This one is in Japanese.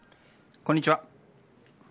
こんにちは。